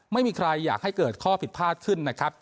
ไม่มีใครอยากให้เกิดข้อผิดพลาดขึ้นนะครับ